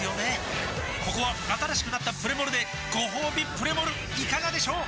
ここは新しくなったプレモルでごほうびプレモルいかがでしょう？